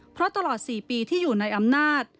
เพราะตลอด๔ปีที่อยู่ในอำนาจ